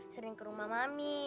sering ke rumah mami